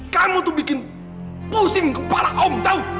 kamu tuh bikin pusing kepala om tau